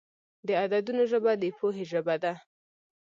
د عددونو ژبه د پوهې ژبه ده.